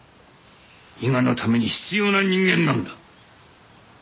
伊賀のために必要な人間なんだ。